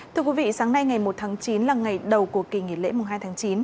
thưa quý vị sáng nay ngày một tháng chín là ngày đầu của kỳ nghỉ lễ hai tháng chín